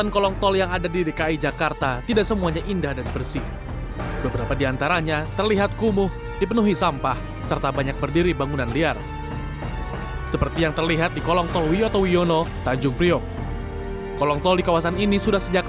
kondisi sejumluh kondisi sejumluh